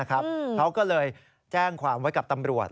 เขาก็เลยแจ้งความไว้กับตำรวจ